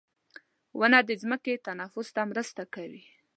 • ونه د ځمکې تنفس ته مرسته کوي.